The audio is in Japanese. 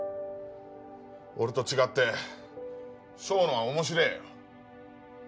俺と違って正野は面白えよ。